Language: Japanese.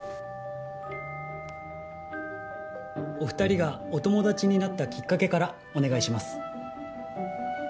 ・お二人がお友達になったきっかけからお願いします